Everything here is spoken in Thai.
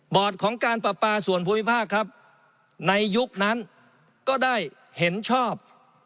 ของการปราปาส่วนภูมิภาคครับในยุคนั้นก็ได้เห็นชอบ